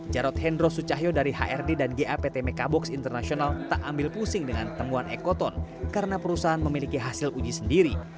jarod hendro sucahyo dari hrd dan gapt mekabox internasional tak ambil pusing dengan temuan ekoton karena perusahaan memiliki hasil uji sendiri